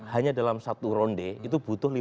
hanya dalam satu ronde itu butuh